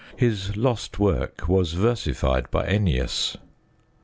His lost work was versified by Ennius.